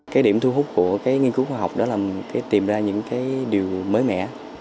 cái điểm thu hút của nghiên cứu khoa học đó là tìm ra những điều mới mẻ